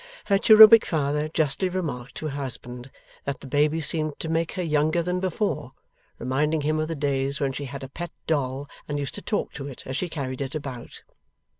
Her cherubic father justly remarked to her husband that the baby seemed to make her younger than before, reminding him of the days when she had a pet doll and used to talk to it as she carried it about.